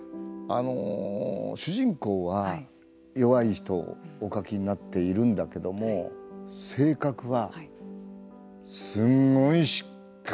主人公は弱い人をお描きになっているんだけども性格はすごいしっかりした強い人。